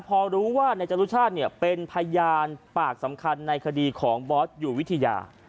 พอรู้ว่านายจรุชาติเป็นพยานปากสำคัญในคดีของบอสอยู่วิทยา